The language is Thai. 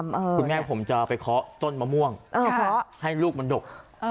คุณแม่ผมจะไปเคาะต้นมะม่วงให้ลูกมันดก